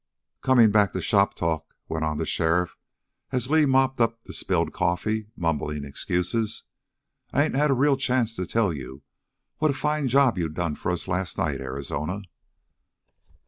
"Coming back to shop talk," went on the sheriff, as Li mopped up the spilled coffee, mumbling excuses, "I ain't had a real chance to tell you what a fine job you done for us last night, Arizona."